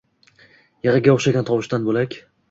Yig’iga o’xshagan tovushdan bo’lak